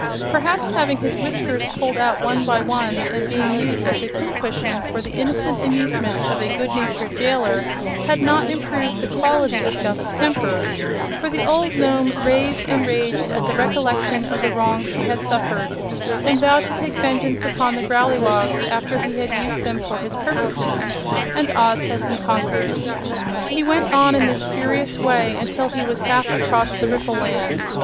Perhaps having his whiskers pulled out one by one and being used as a pin cushion for the innocent amusement of a good natured jailer had not improved the quality of Guph's temper, for the old Nome raved and raged at the recollection of the wrongs he had suffered, and vowed to take vengeance upon the Growleywogs after he had used them for his purposes and Oz had been conquered. He went on in this furious way until he was half across the Ripple Land.